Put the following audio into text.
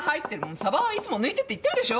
サバはいつも抜いてって言ってるでしょ！